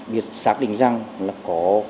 biết xác định rằng là có